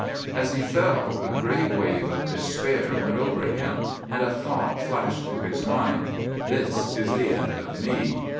"As he fell a great wave of despair went over him, and a thought flashed through his mind: 'This is the end of me!